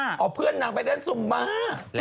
เอาเพื่อนนางไปเล่นซุมมา